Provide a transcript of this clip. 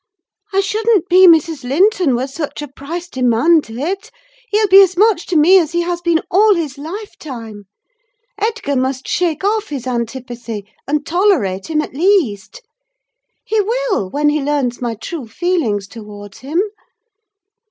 I shouldn't be Mrs. Linton were such a price demanded! He'll be as much to me as he has been all his lifetime. Edgar must shake off his antipathy, and tolerate him, at least. He will, when he learns my true feelings towards him.